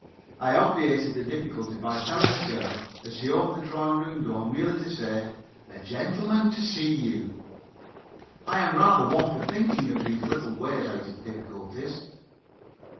I obviated the difficulty by telling the girl, as she opened the drawing room door, merely to say, "A gentleman to see you." I am rather one for thinking of these little ways out of difficulties.